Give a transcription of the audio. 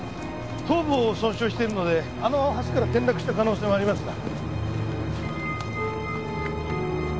頭部を損傷してるのであの橋から転落した可能性もありますが。